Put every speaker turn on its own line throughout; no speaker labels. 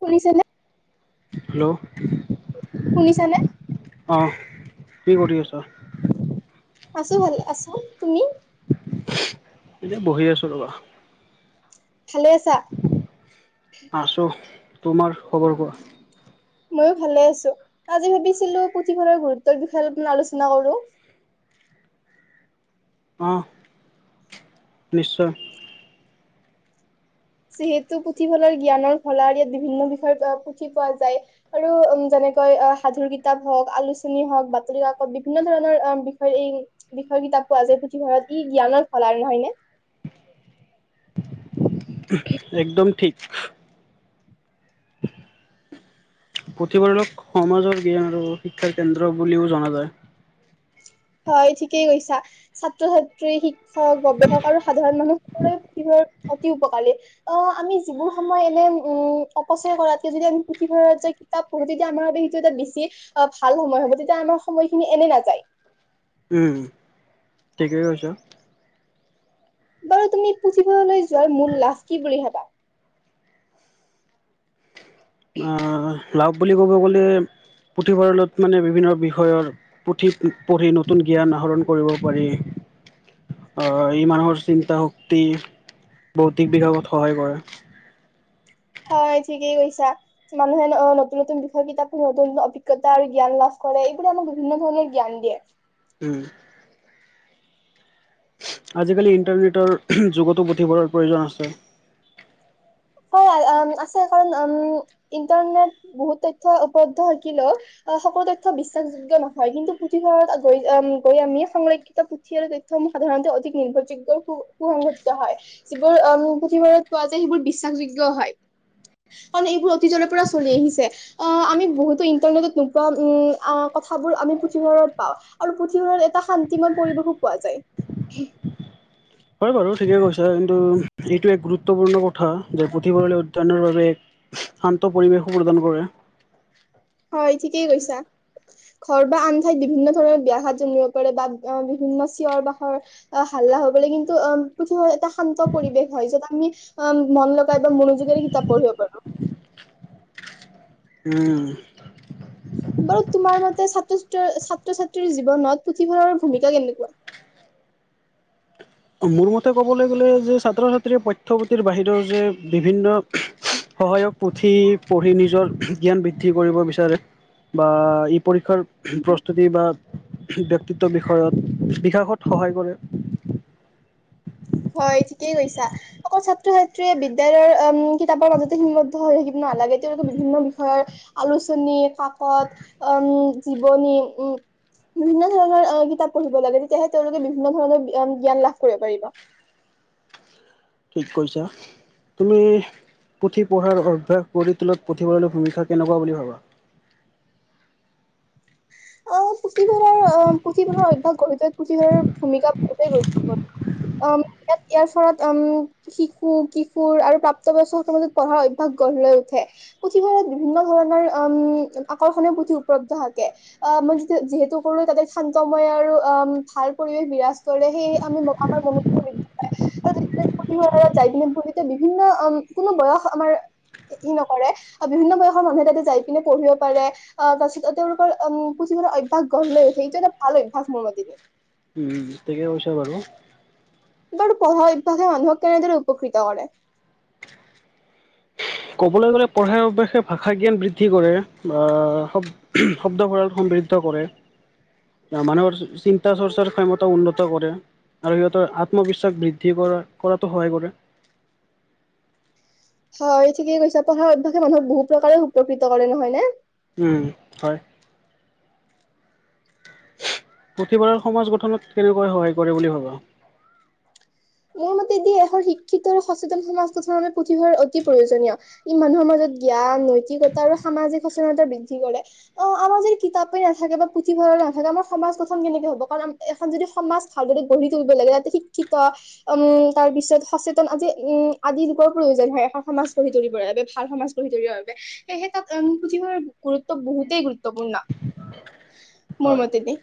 শুনিছেনে
হেল্ল'
শুনিছানে
অ কি কৰি আছা?
আছো ভালে আছো, তুমি?
এতিয়া বহি আছো ৰবা।
ভালে আছা
আছো, তোমাৰ খবৰ কোৱা?
ময়ো ভালে আছো, আজি ভাবিছিলো পুথিভঁৰালৰ গুৰুত্বৰ বিষয়ে অলপ আলোচনা কৰো
অ নিশ্চয়
যিহেতু পুথিভঁৰাল জ্ঞানৰ ভঁৰাল ইয়াত বিভিন্ন বিষয়ত আ পুথি পোৱা যায়। আৰু উম অ যেনেকৈ সাধুৰ কিতাপ হওক আলোচনী হওক বাতৰি কাকত বিভিন্ন ধৰণৰ অ বিষয়ে এই বিষয়ৰ কিতাপ পোৱা যায় পুথিভঁৰালৰ ই জ্ঞানৰ ভঁৰাল আৰু নহয় নে?
একদম ঠিক
[inaudible]
পুথিভঁৰালক সমাজৰ জ্ঞান আৰু শিক্ষাৰ কেন্দ্ৰ বুলিও জনা যায়।
হয় ঠিকেই কৈছা ছাত্ৰ ছাত্ৰী শিক্ষক গৱেষক আৰু সাধাৰণ মানুহ কিহৰ অতি উপকাৰী অ আমি যিবোৰ সময় এনে উম অপচয় কৰাতকে যদি আমি পুথিভঁৰালত যাই ত পোহোতিদি আমাৰ বাবে সেইটো এটা বেছি অ ভাল সময় হব তেতিয়া আমাৰ সময়খিনি এনে নাযায়
উম ঠিকেই কৈছ
বাৰু তুমি পুঁথিভৰাললৈ যোৱাৰ মূল লাভ কি বুলি ভাবা
অ লাভ বুলি ক'ব গলে পুথিভঁৰালত মানে বিভিন্ন বিষয়ৰ পুথি পঢ়ি নতুন জ্ঞান আহৰণ কৰিব পাৰি। অ ই মানুহৰ চিন্তা শক্তি বৌদ্ধিক বিভাগত সহায় কৰে।
হয় ঠিকেই কৈছা মানুহে নতুন নতুন বিষয় কিতাপ নতুন নতুন অভিজ্ঞতা আৰু জ্ঞান লাভ কৰে এইবোৰে আমাক বিভিন্ন ধৰণৰ জ্ঞান দিয়ে।
উম আজিকালি ইণ্টাৰনেটৰ উমহ যুগতো পুথিভঁৰালৰ প্ৰয়োজন আছে।
হয় আছে কাৰণ উম, ইন্টাৰনেট বহুত তথ্য উপলব্ধ থাকিলেও অহ সকলো তথ্য বিশ্বাসযোগ্য নহয় কিন্তু পুথিভঁৰালত গৈ গৈ আমি সংৰক্ষিত তথ্যসমূহ সাধাৰণতে অধিক নিৰ্ভৰযোগ্য সু- সংগঠিত হয়। যিবোৰ পুথিভঁৰাল পোৱা যায়, সেইবোৰ বিশ্বাসযোগ্য হয়। কাৰণ এইবোৰ অতীতৰ পৰাই চলি আহিছে। আহ, আমি বহুতো ইন্টাৰনেটত নোপোৱা, কথাবোৰ আমি পুথিভঁৰালত পাওঁ। আৰু পুথিভঁৰালত এটা শান্তিময় পৰিৱেশো পোৱা যায়।
হয় বাৰু, ঠিকে কৈছা। কিন্তু এইটো এক গুৰুত্বপূৰ্ণ কথা যে পুথিভঁৰাল অধ্যনৰ বাবে এক শান্ত পৰিৱেশো প্ৰদান কৰে।
হয়, ঠিকেই কৈছা। ঘৰ বা আন ঠাইত বিভিন্ন ধৰণৰ ব্যাঘাত জন্মিব পাৰে বা বিভিন্ন চিঞৰ বাখৰ আহ, হাল্লা হবলৈ, কিন্তু অ', পুথিভঁৰালত এটা শান্ত পৰিৱেশ হয়, য'ত আমি আহ, মন লগাই বা মনোযোগেৰে কিতাপ পঢ়িব পাৰো।
উম।
বাৰু তোমাৰ মতে, ছাত্ৰ ছাত্ৰীৰ জীৱনত পুথিভঁৰালৰ ভূমিকা কেনেকুৱা?
মোৰ মতে ক'বলৈ গ'লে যে, ছাত্ৰ ছাত্ৰীৰ পঠ্যপুথিৰ বাহিৰৰ যে বিভিন্ন সহায়ক পুথি পঢ়ি নিজৰ জ্ঞান বৃদ্ধি কৰিব বিচাৰে। বা ই পৰীক্ষাৰ প্ৰস্তুতি বা ব্যক্তিত্ব বিষয়ত বিকাশত সহায় কৰে।
হয়, ঠিকেই কৈছা। অকল ছাত্ৰ ছাত্ৰীয়ে বিদ্যালয়ৰ, উম, কিতাপৰ মাজতে সীমাবদ্ধ হৈ থাকিব নালাগে। তেওঁলোকে বিভিন্ন বিষয়ৰ আলোচনী, কাকত, উম জীৱনী উম বিভিন্ন ধৰণৰ কিতাপ পঢ়িব লাগে। তেতিয়াহে তেওঁলোকে বিভিন্ন ধৰণৰ জ্ঞান লাভ কৰিব পাৰিব।
ঠিক কৈছা। তুমি পুথি পঢ়াৰ অভ্যাস গঢ়ি তোলাত, পুথিভঁৰাললৈ ভূমিকা কেনেকুৱা বুলি ভাবা?
অ', পুথিভঁৰালৰ অ, পুথিভঁৰালৰ অভ্যাস গঢ়ি তোলাত পুথিভঁৰালৰ ভূমিকা বহুতেই গুৰুত্বপূৰ্ণ। অ', ইয়াত ফলত উম শিশু, কিশোৰ আৰু প্ৰাপ্তবয়স্কৰ মাজত পঢ়াৰ অভ্যস গঢ় লৈ উঠে। পুথিভঁৰালত বিভিন্ন ধৰণৰ উম আকৰ্ষণীয় পুথি উপলব্ধ থাকে। অ', মই যিহেতু কলোঁ তাতে শান্তময় আৰু ভাল পৰিৱেশ বিৰাজ কৰে সেই আমাৰ [unintelligible] আৰু যেতিয়া পুথিভঁৰালত যাই কিনে বিভিন্ন কোনো বয়স আমাৰ ই নকৰে, বিভিন্ন বয়সৰ মানুহে তাতে যাই পিনে পঢ়িব পাৰে, আহ তাৰ পিছত তেওঁলোকৰ উম পুথি পঢ়াৰ অভ্যাস গঢ় লৈ উঠে। এইটো এটা ভাল অভাস মতে।
উম, ঠিকে কৈছা বাৰু।
বাৰু পঢ়া অভ্যাসে মানুহক কেনেদৰে উপকৃত কৰে?
ক'বলৈ গ'লে, পঢ়াই অভাসে ভাষা জ্ঞান বৃদ্ধি কৰে আহ শব্দ ভঁৰাল সমৃদ্ধ কৰে। মানুহৰ চিন্তা চৰ্চাৰ ক্ষমতা উন্নত কৰে। আৰু সিহঁতৰ আত্মবিশ্বাস বৃদ্ধি কৰা কৰাতো সহায় কৰে।
হয়, ঠিকে কৈছা। পঢ়াৰ অভ্যাসে মানুহ বহু প্ৰকাৰে উপকৃত কৰে নহয় নে?
উম, হয়। পুথিভঁৰালে সমাজ গঠনত কেনেকৈ সহায় কৰে বুলি ভাবা?
মোৰ মতে, দি এখন শিক্ষিত আৰু সচেতন সমাজ গঠনৰ বাবে পুথিভঁৰাল অতি প্ৰয়োজনীয়। ই মানুহৰ মাজত জ্ঞান, নৈতিকতা আৰু সামাজিক সচেতনতা বৃদ্ধি কৰে। অ', আমাৰ যদি কিতাপেই নাথাকে বা পুথিভঁৰাল নাথাকে, আমাৰ সমাজ গঠন কেনেকে হ'ব, কাৰণ এখন যদি সমাজ ভালদৰে গঢ়ি তুলিব লাগে তাতে শিক্ষিত উম, তাৰপিছত সচেতন আজি, উম, আদি লোকৰ প্ৰয়োজন হয়, এখন সমাজ গঢ়ি তুলিবৰ বাবে ভাল সমাজ। গঢ়ি তুলিব বাবে, সেয়ে পুথিভঁৰালৰ গুৰুত্ব, বহুতেই গুৰুত্ব পূৰ্ণা, মোৰ
হয়
মতে দেই,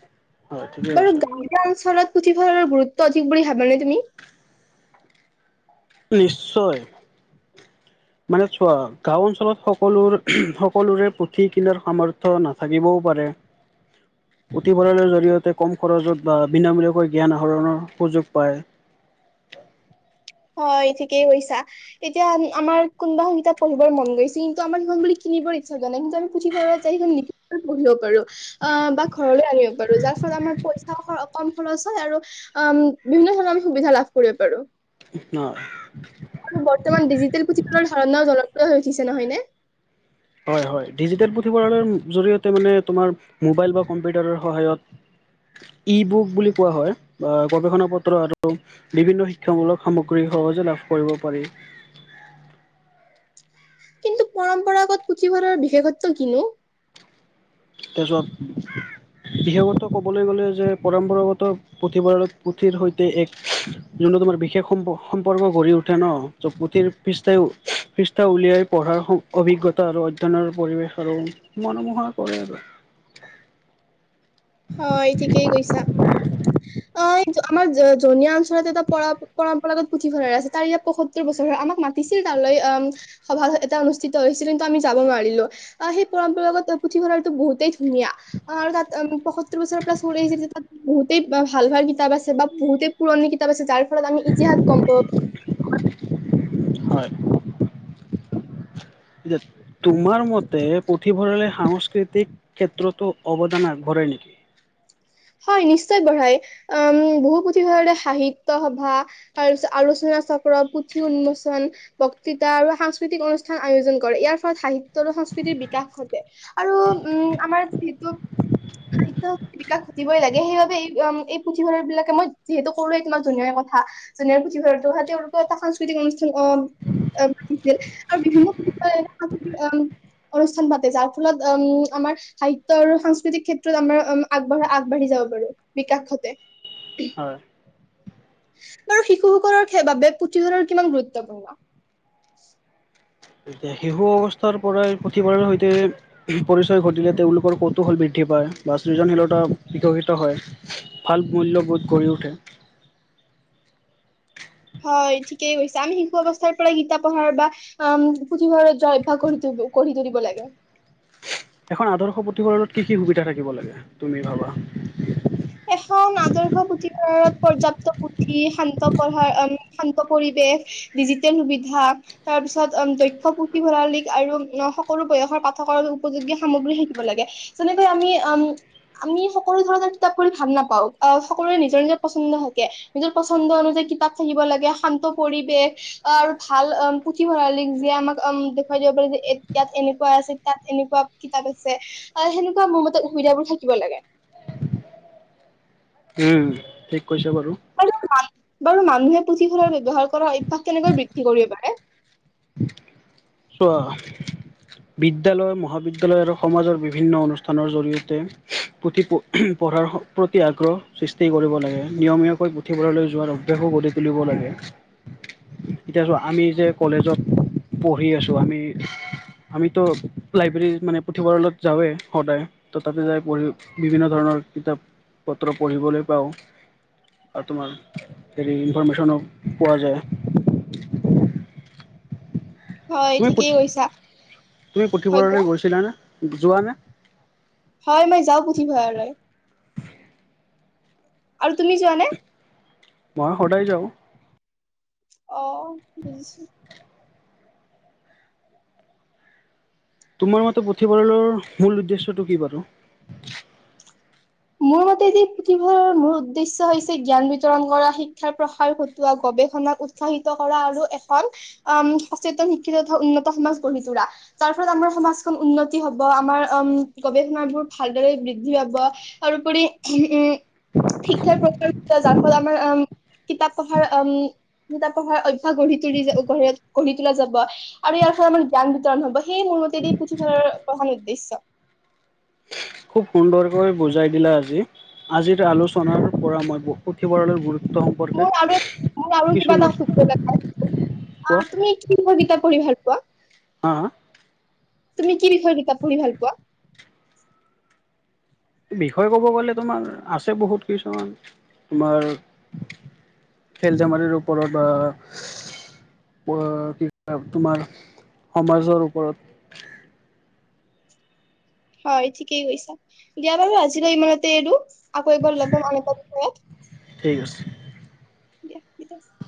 হয় ঠিকেই
বাৰু
কৈছা
গ গাওঁ অঞ্চলত পুথিভঁলৰ গুৰুত্ব অধিক বুলি ভাবানে তুমি?
নিশ্চয়।
[inaudible]
মানে চোৱা, গাওঁ অঞ্চলত সকলোৰে, সকলোৰে পুথি কিনাৰ সামৰ্থয় নাথাকিবও পাৰে।
[inaudible]
পুথিভঁৰালৰ জৰিয়তে কম খৰচত বা বিনামূলীয়াকৈ জ্ঞান আহৰণৰ সুযোগ পায়।
হয়, ঠিকেই কৈছা। এতিয়া আমাৰ কোনোবাখন কিতাত পঢ়িব মন গৈছে। কিন্তু আমাৰ সিখন বুলি কিনিবৰ ইচ্ছা যোৱা নাই, কিন্তু আমি পুথিভঁৰত ত, পঢ়িব পাৰো, আহ', বা ঘৰলৈ আনিব পাৰো যাৰ ফলত আমাৰ পইচা কম খৰচ হয়, আৰু উ, বিভিন্ন ধৰণৰ আমি সুবিধা লাভ কৰিব পাৰো।
ন।
আৰু বৰ্তমান ডিজিটেল পুথিভঁলৰ ধাৰণাও জনপ্ৰিয় হৈ উঠিছে নহয় নে?
হয়, হয়, ডিজিটেল পুথিভঁৰালৰ জৰিয়তে মানে তোমাৰ, মোবাইল বা কম্পিউটাৰৰ সহায়ত ই, বুক বুলি কোৱা হয়, বা গৱেষণা পত্ৰ আৰু বিভিন্ন শিক্ষামূলক সামগ্ৰী সহজে লাভ কৰিব পাৰি।
কিন্তু পৰম্পৰাগত পুথিভঁৰালৰ বিশেষত্ব কিনো।
তাৰপিছত, বিশেষত ক'বলৈ গ'লে যে পৰম্পৰাগত পুথিভঁলাৰৰ পুথিৰ সৈতে এক যোনটো তোমাৰ বিশেষ সম্প- সম্পৰ্ক গঢ়ি উঠে ন, পুথিৰ পৃষ্ঠাই- পৃষ্ঠা উলিয়াই পঢ়াৰ অভিজ্ঞতা আৰু অধ্যয়নৰ পৰিৱেশ আৰু মনোমোহনা কৰে আৰু।
হয় ঠিকেই কৈছা। কিন্তু আমাৰ জননীয়া অঞ্চলত এটা প- পৰম্পৰাগত পুথিভঁৰা আছে, তাৰ ইয়াতয়ত্তৰ বছৰ আম, ম দিছিল তালৈ অম সভা এটা অনুষ্ঠিত হৈছিল, কিন্তু আমি যাব নোৱাৰিলোঁ। আহ, সেই পৰম্পৰাগত পুথিভঁৰালতো বহুতেই ধুনিয়া, আৰু তা সতৰ বছৰ পৰা চলি আহিছে, যে তাত বহুতেই ভাল, ভাল কিতাপ আছে বা বহুতেই পুৰণি কিতাপ আছে যাৰ ফলত আমি ইতিহাস গম পাওঁ।
[inaudible] হয়।
[inaudible]
এতিয়া, তোমাৰ মতে পুথিভঁৰালি সাংস্কৃতিক ক্ষেত্ৰতো অৱদানা আগবঢ়ায় নেকি?
হয়, নিশ্চয় বঢ়ায়, উ বহু পুথিভঁৰালে সাহিত্য সভা তাৰ পিছত আলোচনা চক্ৰ, পুথি উন্মোচন বক্তৃতা আৰু সাংস্কৃতিক অনুষ্ঠান আয়োজন কৰে। ইয়াৰ ফলত সাহিত্য আৰু সংস্কৃতিৰ বিকাশ ঘটে। আৰু উম আমাৰ যিহেতু, সাহিত্য বিকাশ দিবই লাগে। সেইবাবে এই, এই পুথিভঁৰাল বিলাকে মই যিহেতু কলোৱেই তোমাক ধুনীয়া কথা। জুনে পুথিভ তো, তেওঁলতো এটা সাংস্কৃতিক অনুষ্ঠান অছিল। আৰু বিভিন্ন অনুষ্ঠান পাতে, যাৰ ফলত উম, আমাৰ সাহিত্যৰয আৰু সাংস্কৃতিক ক্ষেত্ৰত আমাৰ উম আগবঢ় আ বাঢ়ি যাব পাৰে, বিকাশক ঘতে।
হয়।
আৰু শিশুসকলৰ বাবে পুথিঁভৰাল কিমান গুৰুত্বপূৰ্ণ।
শিশু অৱস্থাৰ পৰাই পুথিভঁৰালৰ সৈতে পৰিচয় ঘটিলে, তেওঁলোকৰ কৌতুহল বৃদ্ধি পায় বা সৃজনশীলতা বিকশিত হয়। ভাল মূল্যবোধ গঢ়ি উঠে।
হয় ঠিকেই কৈছে, আমি শিশু অৱস্থাৰ পৰা কিতাপ পঢ়াৰ বা উ, পুথিভঁৰা জভ্যাস কৰি তুল গঢ়ি তুলব লাগে।
এখন আদৰ্শ প্ৰতিুফলনত কি, কি, সুবিধা থাকিব লাগে, তুমি ভাবা।
এখন আদৰ্শ পুথিভঁৰাল পৰ্যাপ্ত পুথি শান্ত পঢ়াৰ এনে, শান্ত পৰিৱেশ ডিজিটেল সুবিধা। তাৰ পিছত দক্ষ পুথিভঁৰালিক আৰু সকলো বয়সৰ পাঠকৰ উপযোগী সামগ্ৰী থাকিব লাগে। যেনেকৈ আমি আম আমি সকলো ধৰণৰ কিতাপবোৰ ভাল নাপাওঁ, আহ সকলোৰে নিজৰ নিজৰ পচন্দ থাকে। নিজৰ পচন্দ অনুযায়ী কিতাপ থাকিব লাগে, শান্ত পৰিৱেশ। অ আৰু ভাল অ পুথিভঁৰালিক যিয়ে আমাক দেখুৱাই দিব পাৰে যে তাত এনেকুৱা আছে তাত এনেকুৱা। কিতাপ আছে আৰু সেনেকুৱা মোৰ মতে সুবিধা বোৰ থাকিব লাগে।
উম ঠিক কৈছে বাৰু।
বাৰু মানুহে পুথিভঁৰাল ব্যৱহাৰ কৰাাৰ অভ্যাস কেনেকৈ বৃদ্ধি কৰিব পাৰে।
চোৱা। বিদ্যালয় মহাবিদ্যয়ালয় আৰু সমাজৰ বিভিন্ন অনুষ্ঠানৰ জৰিয়তে। পুথি পঢ়াৰ প্ৰতি আগ্ৰহ সৃষ্টি কৰিব লাগে নিয়মীয়াকৈ পুথিভঁৰাললৈ যোৱাৰ অভ্যাসো গঢ়ি। তুলিব লাগে।
[unintelligible] [inaudible]
এতিয়া আমি যে কলেজত পঢ়ি আছোঁ আমি আমিতো লাইব্ৰেৰীত মানে পুথিভঁৰালত যাওঁৱেই সদায়। তথাপি যাই পঢ়ি বিভিন্ন ধৰণৰ কিতাপ পত্ৰ পঢ়িবলৈ পাওঁ। আৰু তোমাৰ হেৰি ইনফৰৰ্মেশ্যনো পোৱা যায়।
হয়
তুমি
ঠিকেই
পুথি
কৈছা
তুমি
হয় কোৱা
পুথিভঁৰাললৈ গৈছিলানে যোৱাানে?
হয় মই যাওঁ পুথিভঁৰাললৈ। আৰু তুমি যোৱানে?
মই সদায় যাওঁ।
অ বুজিছো।
তোমাৰ মতে পুথিভঁৰালৰ মূল উদ্দেশ্যটো কি বাৰু,
মোৰ মতে দি পুথিভঁৰালৰ মূল উদ্দেশ্য হৈছে জ্ঞান বিতৰণ কৰা শিক্ষাৰ প্ৰসাৰ ঘটোৱা গৱেষণা উৎ। সাহিত কৰা আৰু এখন আ সচেতন শিক্ষিত তথা উন্নত সমাজ গঢ়ি তোল তাৰ ফলত আমাৰ সমাজখন উন্নতি হব, আমাৰ উম গৱেষণাবোৰ ভালদৰে বৃদ্ধি পাব তাৰোপৰি উ উম শিক্ষাৰ প্ৰচ যাৰ ফলত আমাৰ উম [unintelligible] কিতাপ পঢ়াৰ উম কিতাপ পঢ়াৰ অভ্যাস গঢ়ি তুলি যা উম গঢ় গঢ়ি তোলা যাব। আৰু ইয়াৰ ফলত আমাৰ জ্ঞান বিতৰণ হ'ব সেই মোৰ মতেদি পুথিভঁৰালৰ প্ৰধান উদ্দেশ্য।
খুব সুন্দৰকৈ বুজাই দিলা আজি। আজিৰ আলোচনাৰ পৰা মই পুথিভঁৰালৰ গুৰুত্বসমূহ।
মোৰ আৰু মোৰ আৰু কিবা এটা সুধিব লগা আছিল। আহ,
কোৱা
তুমি কি কবিতা পঢ়ি ভাল পোৱা?
হা হা
তুমি কি বিষয়ে কিতাপ পঢ়ি ভাল পোৱা?
বিষয়ে ক'ব গ'লে তোমাৰ আছে বহুত কিছুমান তোমাৰ খেল ধেমালিৰ ওপৰত বা বা কি কয় তোমাৰ সমাজৰ ওপৰত।
হয় ঠিকেই কৈছা, দিয়া বাৰু আজিলৈ ইমানতে এৰো, আকৌ এবাৰ লগ পাম আন এটা বিষয়ত।
ঠিক আছে।
দিয়া [inaudible]